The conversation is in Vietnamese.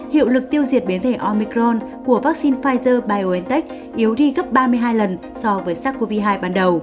hiệu lực tiêu diệt biến thể omicron của vaccine pfizer biontech yếu đi gấp ba mươi hai lần so với sars cov hai ban đầu